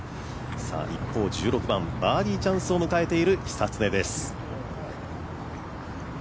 一方、１６番、バーディーチャンスを迎えている久常です。